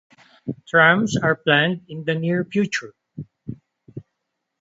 Trams are planned in the near future.